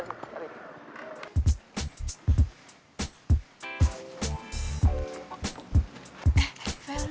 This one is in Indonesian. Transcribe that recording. siapa tau hilang per